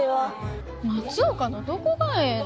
松岡のどこがええの？